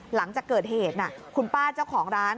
หลังจากเกิดเหตุคุณป้าเจ้าของร้าน